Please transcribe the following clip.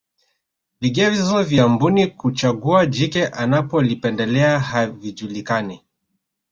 vigezo vya mbuni kuchagua jike analolipendelea havijulikani